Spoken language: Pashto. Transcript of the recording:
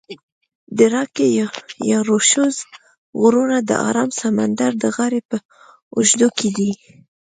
د راکي یا روشوز غرونه د آرام سمندر د غاړي په اوږدو کې دي.